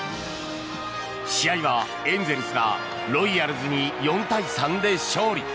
試合はエンゼルスがロイヤルズに４対３で勝利。